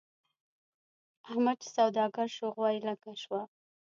احمد چې سوداګر شو؛ غوا يې لنګه شوه.